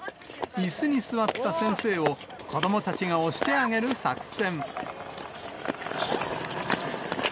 いすに座った先生を、子どもたちが押してあげる作戦。